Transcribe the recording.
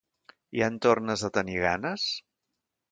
Ja en tornes a tenir ganes?